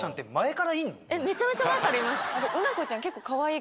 えっめちゃめちゃ前からいます。